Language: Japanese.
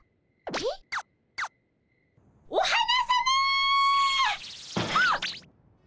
おっお花さま！